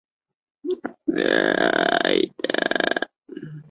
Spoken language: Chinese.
杂讯的能量一般不会太大。